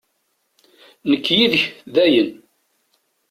Nekk yid-k, dayen!